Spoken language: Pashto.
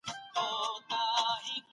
مجاهد د حق په توره باطل مات کړی.